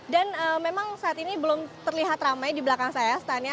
dan memang saat ini belum terlihat ramai di belakang saya standnya